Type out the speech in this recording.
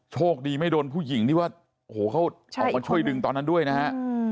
โชคดีไม่โดนผู้หญิงที่ว่าโอ้โหเขาออกมาช่วยดึงตอนนั้นด้วยนะฮะ